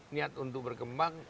niat untuk berkembang